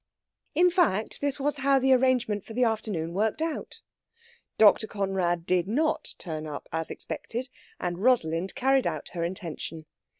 In fact, this was how the arrangement for the afternoon worked out. Dr. Conrad did not turn up, as expected, and Rosalind carried out her intention.